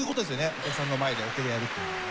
お客さんの前でオケでやるっていうのはね。